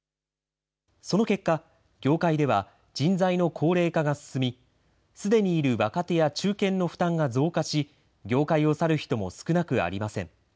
その結果、業界では人材の高齢化が進み、すでにいる若手や中堅の負担が増加し、業界を去る人も少なくありません。